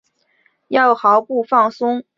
要毫不放松抓紧抓实抓细各项防控工作